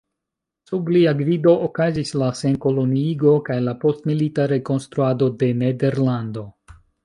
Sub lia gvido okazis la senkoloniigo kaj la postmilita rekonstruado de Nederlando.